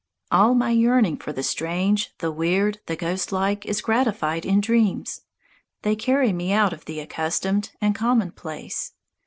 All my yearning for the strange, the weird, the ghostlike is gratified in dreams. They carry me out of the accustomed and commonplace.